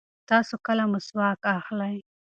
تاسو کله مسواک اخلئ؟